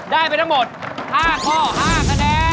ได้ไปทั้งหมด๕ข้อ๕คะแนน